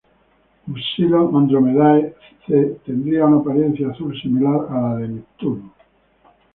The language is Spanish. Upsilon Andromedae c tendría una apariencia azul similar a la de Neptuno.